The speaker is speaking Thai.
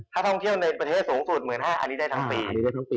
ถ้าท่องเที่ยวในประเทศสูงสุด๑๕๐๐อันนี้ได้ทั้งปีทั้งปี